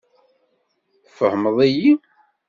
Tfehmeḍ-iyi?